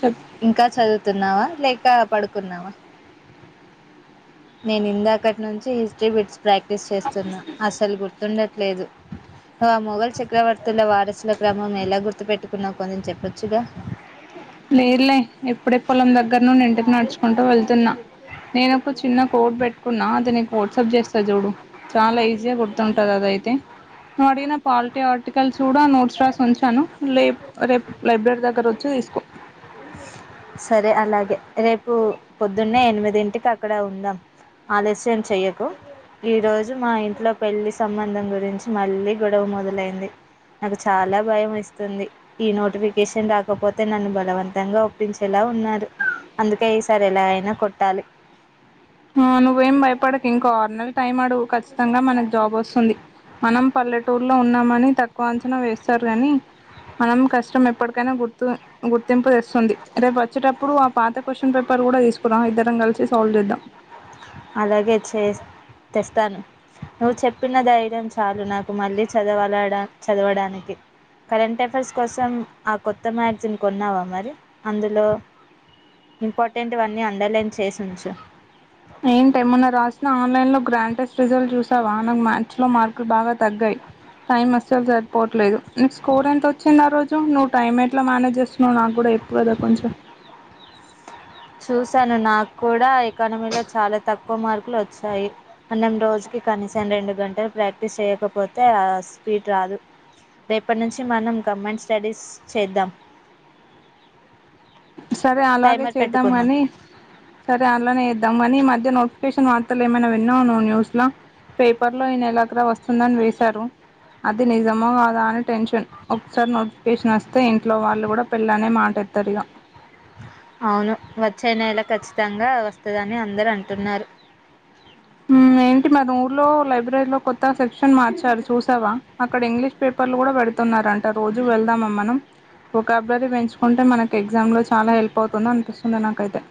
చెప్ ఇంకా చదువుతున్నావా లేలెక్క పడుకుందావా నేను ఇంద అక్కటి నుంచి హిస్టరీ పెచు ప్రాక్టీస్ చేస్తున్నా అసలు గుర్తు గుర్తుండట్లేదు నువ్ ఆ మొఘల్ చక్రవర్తుల వారసుల క్రమం ఎలా గుర్తుపెట్టుకున్నావు కొంచెం చెప్పొచ్చుగా లేదులే ఎప్పుడే పొలం దగ్గర ను ఇంటికి నడుచుకుంటూ వెళ్తున్నా నేను ఒక చిన్న కోడ్ పెట్టుకున్నా అది నీకు వాట్సాప్ చేస్తా చూడు చాలా ఈజీగా గుర్తుంటది అదయితే నుే్వు అడిగిన పాలిటీ ఆర్టికల్స్ కూడా నోట్స్ రాసి ఉంచాను లేపు రేపు లైబ్రరీ దగ్గర వచ్చి తీసుకో సరే అలాగే రేపు పొద్దున్నే ఎనిమిదింటికి అక్కడ ఉందాం ఆలస్యం చెయ్యకు ఈరోజు మా ఇంట్లో పెళ్ళి సంబంధం గురించి మళ్ళీ గొడవ మొదలైంది నాకు చాలా భయం ఇస్తుంది ఈ నోటిఫికేషన్ రాకపోతే నన్ను బలవంతంగా గురించి ఎలా ఉన్నారు అందుకే ఈసారి ఎలా అయినా కొట్టాలి నువ్వేం భయపడకు ఇంకో ఆరునెల టైం అడవు ఖచ్చితంగా మనకు జాబ్ వస్తుంది మనం పల్లెటూర్లో ఉన్నామని తక్కువ అంచనా వేస్తారు కానీ మనం కష్టం ఎప్పటికైనా గుర్తు గుర్తింపు తెస్తుంది రేపు వచ్చేటప్పుడు ఆ పాత క్వశ్చన్ పేపర్ కూడా తీసుకురాం ఇద్దరం కలిసి సాల్వ్ చేద్దాం అలాగే చే తెస్తాను నువ్వు చెప్పిన ధైర్యం చాలు నాకు మళ్ళీ చదవాలడా చదవడానికి కరెంట్ అఫైర్స్ కోసం ఆ కొత్త మ్యాగజిన్ కొన్నావా మరి అందులో ఇంపార్టెంట్వన్నీ అండర్లైన్ చేసి ఉంచు టమన్నా రాసిన ఆన్లైన్ లో గ్రాండెస్ట్ రిజల్ట్ చూసావా నానకు మ్యాచ్ లో మార్కులు బాగా తగ్గై టైమస్ చాల సార్పోవట్లేదు మీకు స్కోర్ ఎంత వచ్చింది ఆ రోజు నువ్ టైమ్ ఎట్లా మనేజ్స్త వు నాకు కూడా ఎప్పుడు కదా కొంచెం చూశాను నాకు కూడా ఎకానమీలో చాలా తక్కువ మార్కులు వచ్చాయి మనం రోజుకి కనీసం రెండు గంటలు ప్రాక్టీస్ చేయకపోతే స్పీడ్ రాదు రేపటి నుంచి మనం కంబైన్ స్టడీస్ చేద్దాం సరే అలాగే టైమర్ చేద్దాం పెట్టుకుందాం గాని సరే అలానే ఇద్దాం కాని ఈ మధ్య నోటిఫికేషన్ వార్తలు ఏమైనా విన్నావు నువ్వు న్యూస్లో పేపర్లో ఈయనెలక్కడ వస్తుందని వేశారు అది నిజమో కాదా అని టెన్షన్ ఒకసారి నోటిఫికేషన్ వస్తే ఇంట్లో వాళ్ళు కూడా పెళ్ళనే మాటేత్తారు ఇక అవును వచ్చేనెల ఖచ్చితంగా వస్తుందని అందరు అంటున్నారు ఏంటి మరి ఊర్లో లైబ్రరీలో కొత్త సెక్షన్ మార్చారు చూసావా అక్కడ ఇంగ్లీష్ పేపర్లు కూడా పెడుతున్నారంట రోజు వెళ్దామ మనం ఓ కబ్రరీ పెంచుకుంటే మనకి ఎగ్జామ్లో చాలా హెల్ప్ అవుతుంది అనిపిస్తుంది నాకైతే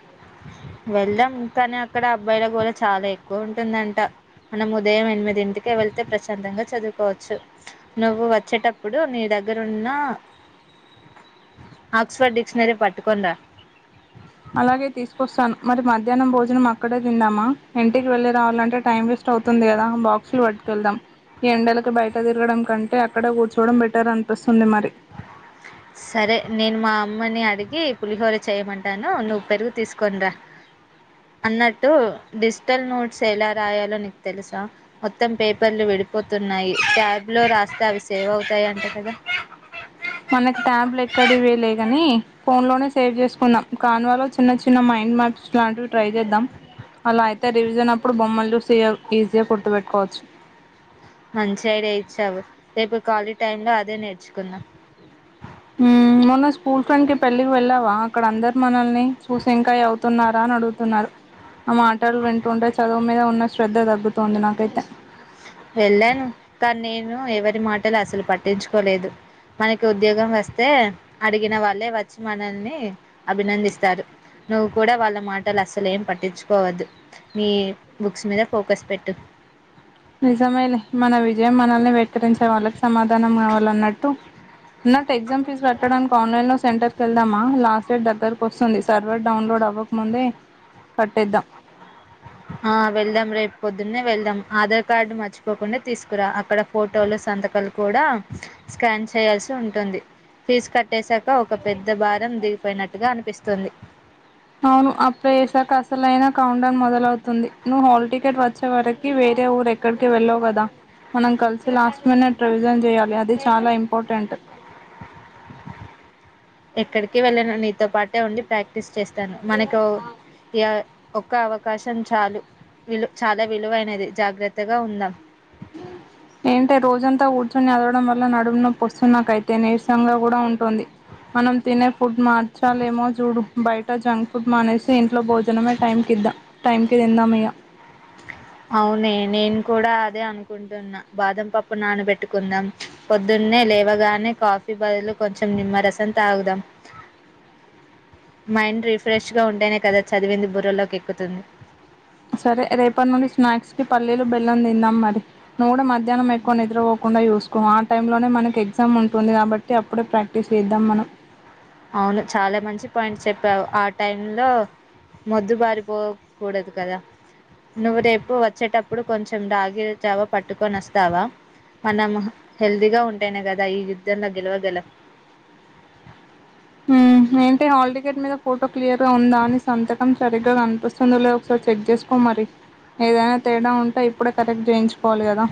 వెళ్దాం కానీ అక్కడ అబ్బాయిల గోళ చాలా ఎక్కువ ఉంటుందంట మనం ఉదయం ఎనిమిదింటికే వెళ్తే ప్రశాంతంగా చదువుకోవచ్చు నువ్వు వచ్చేటప్పుడు నీ దగ్గరు ఉన్న ఆక్స్ఫర్డ్ డిక్షనరీ పట్టుకొని రా అలాగే తీసుకొస్తాను మరి మధ్యాహ్నం భోజనం అక్కడే తింమా ఇంటికి వెళ్ళలి రావాలంటే టైం వే అవుతుంది కదా బాక్సులు పట్టుకెళ్దాం ఈ ఎండలకి బయట తిరగడం కంటే అక్కడ కూర్చోవడం బెటర్ అనిపిస్తుంది మరి సరే నేను మా అమ్మని అడిగి గి పులిహోర చేయమంటాను నువ్వు పెరుగు తీసుకోని రా అన్నట్టు డిజిటల్ నోట్స్ ఎలా రాయాలో నీకు తెలుసా మొత్తం పేపర్లు విడిపోతున్నాయి క్యాబ్ లో రాస్తే అవి సేవ్ అవుతాయి అంట కదా మనకి ట్యాబ్లు ఎక్కడవి లే కాని ఫోన్లోనే సేవ్ చేసుకుందాం కాన్ వాలో చిన్న చిన్న మైండ్ మ్యాప్స్ లాంటివి ట్రై చేద్దాం అలా అయితే రివిజన్ అప్పుడు బొమ్మలు చూసి ఆ ఈజీగా గుర్తుపెట్టుకోవచ్చు మంచి ఐడియా ఇచ్చావు రేపు కాలీ టైమ్ లో అదే నేర్చుకుందాం మ్మ్ మొన్న స్కూల్ ఫ్రెండ్ కి పెళ్ళికి వెళ్ళావా అక్కడ అందరు మనల్ని చూసి ఇంకా అవుతున్నారా అని అడుగుతున్నారు ఆ మాటలు వింటుంటే చదువు మీద ఉన్న శ్ర ద్ధ తగ్గుతుంది నాకైతే వెళ్ళాను కానీ నేను ఎవరి మాటలు అసలు పట్టించుకోలేదు మనకి ఉద్యోగం వస్తే అడిగిన వాళ్ళే వచ్చి మనల్ని అభినందిస్తారు నువ్వు కూడా వాళ్ళ మాటలు అసలే ఏం పట్టించుకోవద్దు మీ బుక్స్ మీద ఫోకస్ పెట్టు నిజమే లే మన విజయం మనల్నే పెట్ ఎక్కిరించే వాళ్ళకి సమాధనం కావాలి ల్ న్నట్టు అన్నట్టు ఎగ్జామ్ ఫీజు కట్టడానికి ఆన్లైన్లో సెంటర్కి వెళ్దామా లాస్ట్ డేట్ దగ్గరకు వస్తుంది సర్వర్ డౌన్లోడ్ అవ్వకముందే కట్టేద్దాం ఆ వెళ్దాం రేపు పొద్దున్నే వెళ్దాం ఆధార్ కార్డు మర్చిపోకుండా తీసుకురా. అక్కడ ఫోటోలు సంతకాలు కూడా స్కాన్ చేయాల్సి ఉంటుంది. ఫీజ్ కటేసాక ఒక పెద్ద భారం దిగిపోయినట్టుగా అనిపిస్తుంది. అవును అప్పుడే ఏడ్సాక అసలైన కౌండ మొద దలవుతుంది నువ్ హాల్ టికెట్ వచ్చే వరకి వేరే ఊరు ఎక్కడికి వెళ్ళవు కదా. మనం కలిసి లాస్ట్ మినిట్ రివిజన్ చేయాలి. అది చాలా ఇంపార్టెంట్. ఎక్కడికి వెళ్ళను నీతో పాటే ఉండి ప్రాక్టీస్ చేస్తా స్థను మనకో ఇగ ఒక అవకాశం చాలు విలు చాలా విలువైనది. జాగ్రత్తగా ఉందాం. ఏంటో రోజంతా కూర్చొని అరవడం వల్ల నడుము నొప్పోపొస్తుంది నాకైతే నీరసంగా కూడా ఉంటుంది. మనం తినే ఫుడ్ మార్చాలేమో చూడు బయట జంక్ ఫుడ్ మానేసి ఇంట్లో భోజనమే టైంకి ఇద్దాం టైంకి తిందామ్ ఇగా అవునే నేను కూడా అదే అనుకుంటున్నా. బాదం పప్పు నానబెట్టుకుందాం, పొద్దున్నే లేవగానే కాఫీ బదులు కొంచెం నిమ్మరసం తాగుదాం. మైండ్ రిఫ్రెష్గా ఉంటేనే కదా చదివింది బుర్రలోకి ఎక్కుతుంది. సరే రేపటి నుండి స్నాక్స్కి పల్లీలు బెల్లం తిందాం. మరి నువు కూడా మధ్యాహ్నం ఎక్కువ నిద్రపోకుండా చూసుకో. ఆ టైంలోనే మనకి ఎగ్జామ్ ఉంటుంది కాబట్టి అప్పుడే ప్రాక్టీస్ చేద్దాం మనం. అవును చాలా మంచి పాయింట్స్ చెప్పావు ఆ టై లో మొద్దు బారిపోకూడదు కదా నువ్వు రేపు వచ్చేటప్పుడు కొంచెం రాగి చావా పట్టుకొని వస్తావా. మనం హెల్తీగా ఉంటేనే కదా ఈ యుద్ధంలో గెలవగలం. హ్మ్ ఏంటి హల్టికెట్ మీద ఫోటో క్లియర్ గా ఉందా అని సంతకం సరిగ్గా కనిపిస్తుందో లేదా ఒకసారి చెక్ చేసుకో మరి ఏదైనా తేడా ఉంటే ఇప్పుడే కరెక్ట్ చేయించుకోవాలి కదా.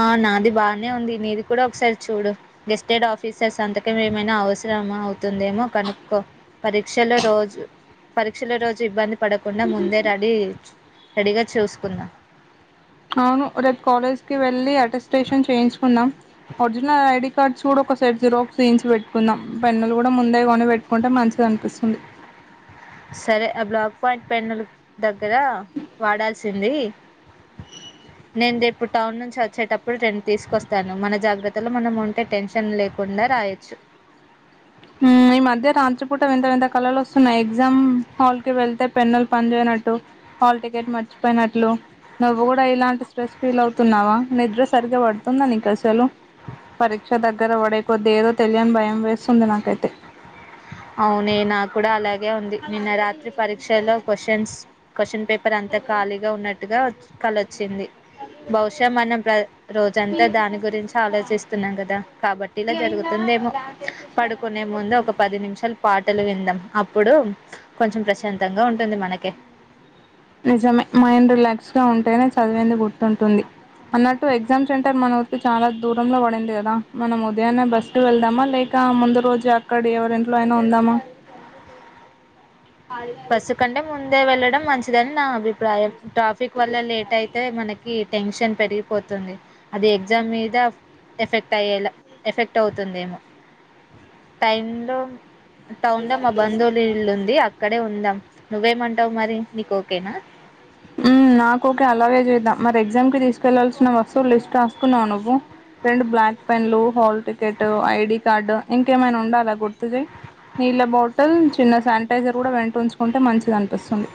ఆహా నాది బాగానే ఉంది. నీది కూడా ఒకసారి చూడు గెస్టెడ్ ఆఫీసర్స్ సంతక ఏమైనా అవసరమా అవుతుందేమో కనుకో పరీక్షలో రోజు పరీక్షలో రోజు ఇబ్బంది పడకుండా ముందే రాడి చేయొచ్చు రెడీగా చూసుకుందాం అవును రేపు కాలేజ్కి వెళ్ళి అటెస్ట్రేషన్ చేయించుకుందాం. ఒరిజినల్ ఐడి కార్డ్స్ కూడా ఒక సైట్ జీరాక్స్ చేయించి పెట్టుకుందాం. పెన్నులు కూడా ముందే కొని పెట్టుకుంటే మంచిది అనిపిస్తుంది. సరే ఆ బ్లాక్ పాయింట్ పెన్నులు దగ్గర వాడాల్సింది నేను రేపు టౌన్ నుంచి వచ్చేటప్పుడు రెండు తీసుకొస్తాను. మన జాగ్రత్తలో మనం ఉంటే టెన్షన్ లేకుండా రాయొచ్చు హ్మ్ ఈ మధ్య రాత్రి పూట వింత వింత కళలు వస్తున్నాయి ఎగ్జామ్ హాల్ కి వెళ్తే పెన్నులు పని జేయనట్టు హాల్ టికెట్ మర్చిపోయినట్లు నువ్వు గూడా ఇలాంటి స్ట్రెస్ ఫీల్ అవుతున్నావా నిద్ర సరిగా పడుతుందా నీక అసలు పరీక్ష దగ్గర పడే కొద్దీ ఏదో తెలియని భయం వేస్తుంది నా కయితే అవునే నాక్కూడా అలా ఉంది నిన్న రాత్రి పరీక్షలో క్వశ్చన్స్ క్వశ్చన్ పేప్ [unintelligible] అంత ఖాళీగా ఉన్నట్టుగా కలొచ్చింది బహుస మనం ప్ర రోజంతా దాని గురించే ఆలోచిస్తున్నాం కదా కాబట్ ఇలా జరుగుతుందేమో పడుకునే ముందు ఒక పది నిమిష పాటలు విందాం అప్పుడు కొంచెం ప్ర శాంతంగా ఉంటుంది మనకే నిజమే మైండ్ రిలాక్స్ గా ఉంటేనే చదివింది గుర్తుంటుంది అన్నట్టు ఎగ్జామ్ సెంటర్ మన ఉరికి చాలా దూర లో పడింది కదా మనం ఉదయాన్నే బస్కి వెళ్దామా లేక ముందు రోజు అక్కడ ఎవరింట్లో అయినా ఉందామా బస్ కంటే ముందే వెళ్ళ అడగడం మంచిదని నా అభిప్రాయం ట్రాఫిక్ వల్ల లేట్ అయితే మనకి టెన్షన్ పెరిగిపోతుంది. అది ఎగ్జామ్ మీద ఎఫెక్ట్ అయ్యేలా ఎఫెక్ట్ అవుతుందేమో, టైంలో టౌన్ లో మా బంధువులు ఇల్లు ఉంది. అ ఉందాం నువ్వేమంటావు మరి నీకు ఓకేనా నాకు ఓకే అలాగే చేద్దాం. మరి ఎగ్జామ్కి తీసుకెళ్ళాల్సిన వస్తువులు లిస్ట్ రాసుకున్నావ నువ్వు. రెండు బ్లాక్ పెన్లు, హాల్ టికెట్, ఐడి కార్డు ఇంకేమైనా ఉండాలా గుర్తు చేయి. నీళ్ళ బాటిల్, చిన్న శానిటైజర్ కూడా వెంట ఉంచుకుంటే, మంచిది అనిపిస్తుంది.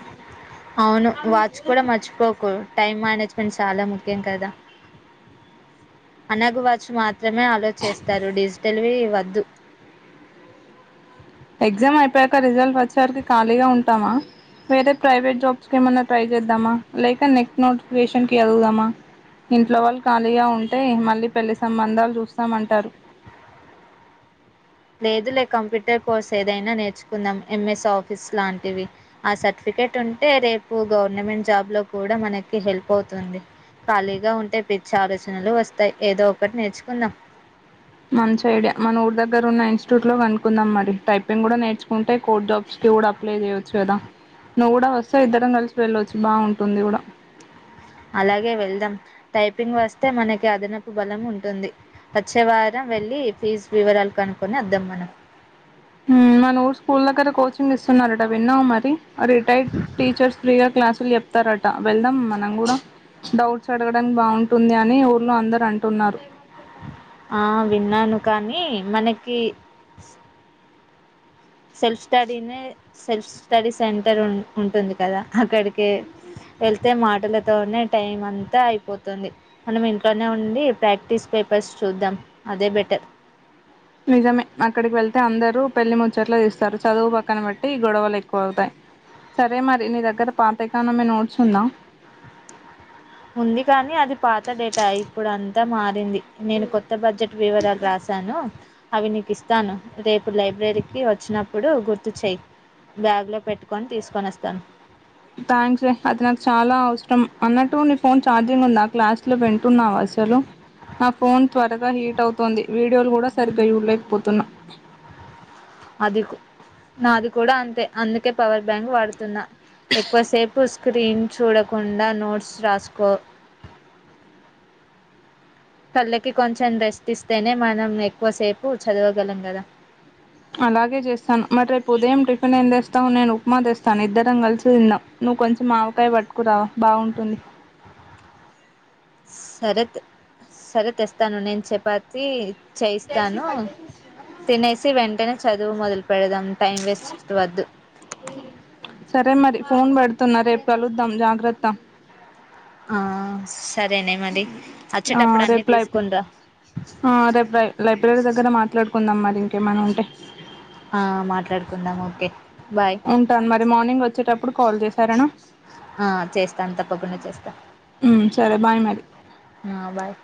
అవును వాచ్ కూడా మర్చిపోకు టైమ్ మేనేజ్ చాలా ముఖ్యం కదా అనగవ మాత్ర మాత్రమే అలో చేస్తారు డిజిటవేర్ వద్దు ఎగ్జామ్ అయిపోయాక రిజల్ట్ వచ్చేవారికి ఖాళీగా ఉంటామా. వేరే ప్రైవేట్ జాబ్స్ క ఏమన్నా ట్రై చేద్దామా లేక నెక్ట్ నోటిఫికేషన్ వెళదామా. ఇంట్లో వాళ్ళు ఖాళీగా ఉంటే, మళ్ళీ పెళ్లి సంబంధాలు చూస్తాం అంటారు. లేదు లే కంప్యూటర్ కోర్స్ ఏదైనా నేర్చుకుందాం. ఎం ఎస్ ఆఫీస్ లాంటివి ఆ సర్టిఫికెట్ ఉంటే, రేపు గవర్నమెంట్ జాబ్లో కూడా మనకి హెల్ప్ అవుతుంది. ఖాళీగా ఉంటే పిచ్చే ఆలోచనలు వస్తాయి. ఏదో ఒకటి నేర్చుకుందాం. మంచి ఐడియా మనం ఊరి దగ్గర ఉన్న ఇన్స్టిట్యూట్ లో కనుకుందాం. మరి టైపింగ్ కూడా నేర్చుకుంటే, కోడ్ జాబ్స్ కి కూడా అప్లై చేయచ్చు. చూదాం నువ్వుగూడ వస్తే సో ఇద్దరం కలిసి వెళ్ళొచ్చు బాగుంటుంది కూడా అలాగే వెళ్దాం. టైపింగ్ వస్తే మనకి అదనపు బలం ఉంటుంది. వచ్చే వారం వెళ్ళి, ఫీజు వివరాలు కనుక్కొని వద్దాం మనం. ఉ మన ఊరు స్కూల్ దగ్గర కోచింగ్ ఇస్తున్నరట విన్నావ మరి. రిటైర్డ్ టీచర్స్ ఫ్రీగా క్లాసులు చెప్ చెతారట వెళ్దాం మనం కూడా డౌట్స్ అడగడానికి బాగుంటుంది. అని ఊర్లో అందరు అంటున్నారు. ఆ విన్నాను కానీ మనకి సెల్ఫ్ స్టడీనే సెల్ఫ్ స్టడీ సెంటర్ ఉంటుంది కదా. అక్కడికే వెళ్తే మాటలతోనే టైం అంతా అయిపోతుంది. మనం ఇంట్లోనే ఉండి, ప్రాక్టీస్ పేపర్స్ చూద్దాం అదే బెటర్. నిజమే అక్కడికి వెళ్తే అందరూ పెళ్లి ముచ్చట్లు ఇస్తారు. చదువు పక్కన పెట్టి ఈ గొడవలు ఎక్కువ గా అవుతాయి. సరే మరి నీ దగ్గర పాత ఎకానమీ నోట్స్ ఉందా? ఉంది గా మారింది నేను కొత్త బడ్జెట్ వివరాలు రాసాను. అవి నీకు ఇస్తాను. రేపు లైబ్రరీకి వచ్చినప్పుడు గుర్తు చెయి బ్యాగ్లో పెట్టుకొని తీసుకొని వస్తాను. థ్యాంక్స్ రే అది నాకు చాలా అవసరం అన్నట్టు నీ ఫోన్ ఛార్జింగ్ ఉందఆ క్లాసులో వింటున్నావ. అసలు నా ఫోన్ త్వరగా హీట్ అవుతుంది. వీడియోలు కూడా సరిగ్గా చూడలేకపోతున్నా. అది నాది కూడ అంతే అందుకే పవర్ బ్యాంక్ వాడుతున్నా ఎక్కువసేపు స్క్రీన్ చూడకుండ నోట్స్ రాసుకో కళ్ళకి కొంచెం రెస్ట్ ఇస్తేనే, మనం ఎక్కువసేపు చదవగలం కదా. అలాగే చేస్తాను. మరి రేపు ఉదయం టిఫిన్ ఏం తెస్తావు? నేను ఉప్మా తెస్తాను. ఇద్దరం కలిసి తిందాం. నువ్వు కొంచెం ఆవకాయ పట్టుకురావ. బాగుంటుంది. సరే సరే తెస్తాను నేను చపాతి చేయిస్తాను తినేసి వెంటనే చదువు మొదలు పెడదాం. టైం వేస్ట్ వద్దు సరే మరి ఫోన్ పెడుతున్న రేపు కలుద్దాం జాగ్రత్త ఆ సరేనే మరి ఆ వచ్చేటప్పుడు అన్ని రేపు లై తీసుకునిరా రేపులై లైబ్రరీ దగ్గర మాట్లాడుకుందాం మల్ ఏమైన ఉంటే కుందాము ఒకే ఉంటా అ మ మార్నింగ్ వచ్చేటప్పుడు కాల్ చే ఆ చేస్తాను తప్పకుండ చేస్తా సరే బాయ్ మరి బాయ్